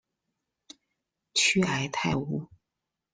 屈埃泰乌。